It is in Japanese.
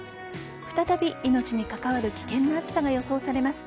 再び命に関わる危険な暑さが予想されます。